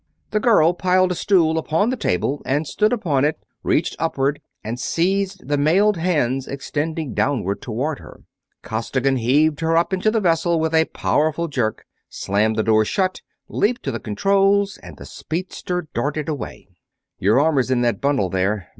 The girl piled a stool upon the table and stood upon it, reached upward and seized the mailed hands extended downward toward her. Costigan heaved her up into the vessel with a powerful jerk, slammed the door shut, leaped to the controls, and the speedster darted away. "Your armor's in that bundle there.